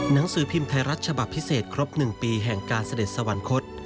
หนังสือพิมพ์ไทยรัฐฉบับพิเศษครบ๑ปีแห่งการเสด็จสวรรคต